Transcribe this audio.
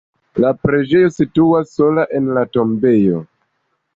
La preĝejo situas sola en la tombejo.